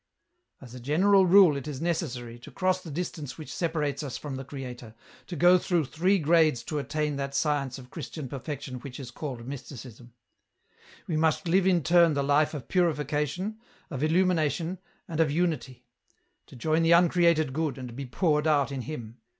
"As a general rule it is necessary, to cross the distance which separates us from the Creator, to go through three grades to attain that science of Christian perfection which is called mysticism ; we must live in turn the life of Purification, of Illumination and of Unity — to jom the uncreated Good and be poured out in Him.